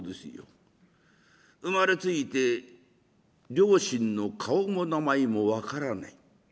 生まれついて両親の顔も名前も分からない。